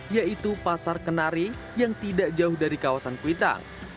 yaitu pasar kenari yang tidak jauh dari kawasan kuitang